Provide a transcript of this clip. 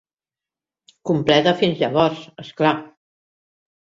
Completa fins llavors, és clar.